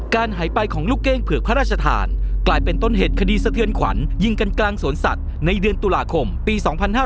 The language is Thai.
หายไปของลูกเก้งเผือกพระราชทานกลายเป็นต้นเหตุคดีสะเทือนขวัญยิงกันกลางสวนสัตว์ในเดือนตุลาคมปี๒๕๕๙